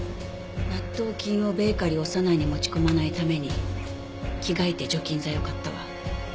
納豆菌をベーカリーオサナイに持ち込まないために着替えて除菌剤を買ったわ。